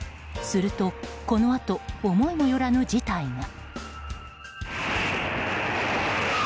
すると、このあと思いも寄らぬ事態が。